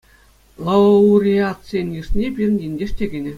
Лауреатсен йышне пирӗн ентеш те кӗнӗ.